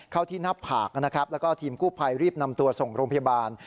เข้าที่หน้าผากนะครับแล้วก็ทีมกู้ภัยรีบนำตัวส่งโรงพยาบาล